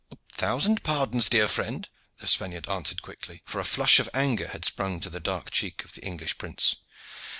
"A thousand pardons, dear friend," the Spaniard answered quickly, for a flush of anger had sprung to the dark cheek of the English prince.